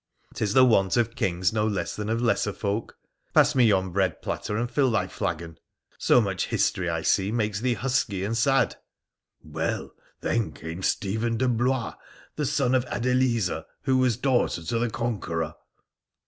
' 'Tis the wont of kings no less than of lesser folk. Pass me yon bread platter, and fill thy flagon. So much history, I see, makes thee husky and sad !'' Well, then came Stephen de Blois, the son of Adeliza, who was daughter to the Conqueror.'